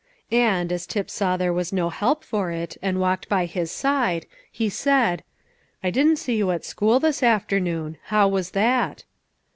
And, as Tip saw there was no help for it, and walked by his side, he said, "I didn't see you at school this afternoon: how was that?"